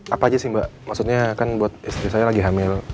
apa aja sih mbak maksudnya kan buat istri saya lagi hamil